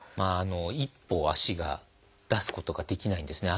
一歩足が出すことができないんですね。